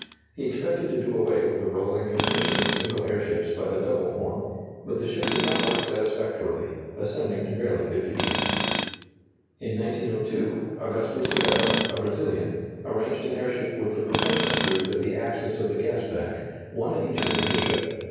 He expected to do away with the rolling and pitching of single airships by the double form, but the ship did not work satisfactorily, ascending to barely 50 feet. In 1902, Augusto Severo, a Brazilian, arranged an airship with the propelling screws at the axis of the gas bag, one at each end of the ship.